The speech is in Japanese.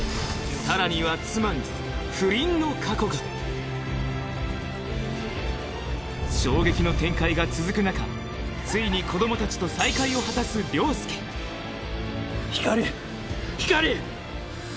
さらには妻に不倫の過去が衝撃の展開が続く中ついに子どもたちと再会を果たす凌介光莉光莉！